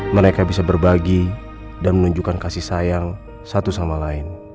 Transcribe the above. mereka bisa berbagi dan menunjukkan kasih sayang satu sama lain